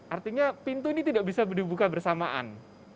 artinya pintu ini tidak bisa dibuka bersamaan